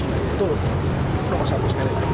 nah itu nomor satu sekali lagi